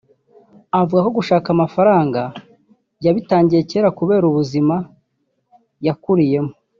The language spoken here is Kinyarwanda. Avuga ko gushaka amafaranga yabitangiye kera kubera ubuzima yakuriyemo